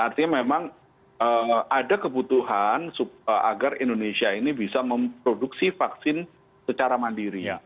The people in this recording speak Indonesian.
artinya memang ada kebutuhan agar indonesia ini bisa memproduksi vaksin secara mandiri